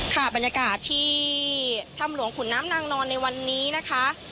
ค่ะบรรยากาศที่ถ้ำหลวงขุนน้ำนางนอนในวันนี้นะคะ